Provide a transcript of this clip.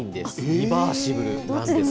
リバーシブルなんです。